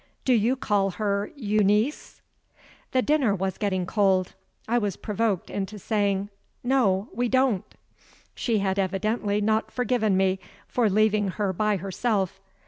Do you call her Euneece?" The dinner was getting cold. I was provoked into saying: "No, we don't." She had evidently not forgiven me for leaving her by herself.